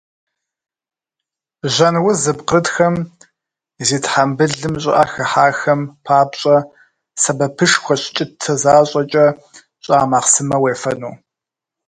Жьэн уз зыпкърытхэм, зи тхьэмбылым щӀыӀэ хыхьахэм папщӏэ сэбэпышхуэщ кӀытэ защӀэкӀэ щӀа махъсымэ уефэну.